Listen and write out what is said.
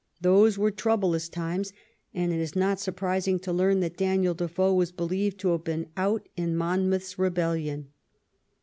Those were troublous times, and it is not surprising to learn that Daniel Defoe was believed to have been " out *^ in Monmouth's rebellion.